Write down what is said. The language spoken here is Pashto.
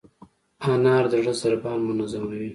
انار د زړه ضربان منظموي.